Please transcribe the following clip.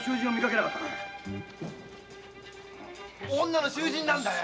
女の囚人なんだよ。